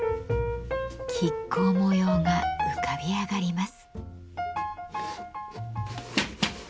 亀甲模様が浮かび上がります。